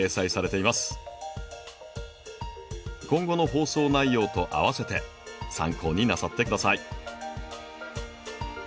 今後の放送内容とあわせて参考になさって下さい。